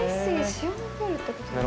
潮のプールってことですね。